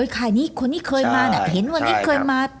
ค่ายนี้คนที่เคยมาน่ะ